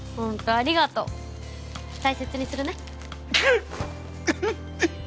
ありがとう大切にするねくっ